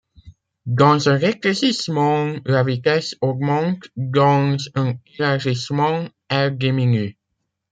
Dans un rétrécissement, la vitesse augmente, dans un élargissement, elle diminue.